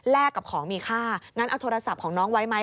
กับของมีค่างั้นเอาโทรศัพท์ของน้องไว้ไหม